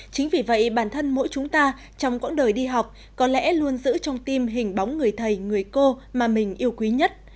chính vì vậy bản thân mỗi chúng ta trong quãng đời đi học có lẽ luôn giữ trong tim hình bóng người thầy người cô mà mình yêu quý nhất